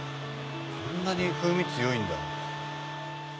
こんなに風味強いんだ。